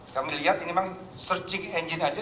kami lihat ini memang searching engine aja